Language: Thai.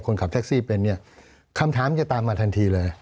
คนขับแท็กซี่เป็นเนี่ยคำถามจะตามมาทันทีเลย